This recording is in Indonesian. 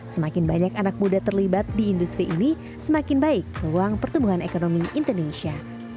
semakin banyak anak muda terlibat di industri ini semakin baik ruang pertumbuhan ekonomi indonesia